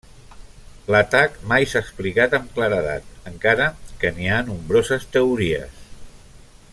L'atac mai s'ha explicat amb claredat encara que n'hi ha nombroses teories.